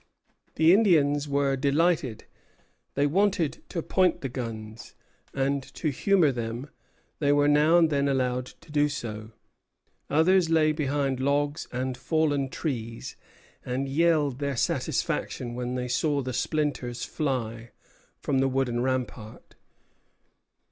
The Indians were delighted. They wanted to point the guns; and to humor them, they were now and then allowed to do so. Others lay behind logs and fallen trees, and yelled their satisfaction when they saw the splinters fly from the wooden rampart.